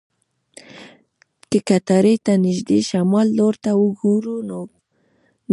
که کټارې ته نږدې شمال لور ته وګورو، نوګالس اریزونا به وینو.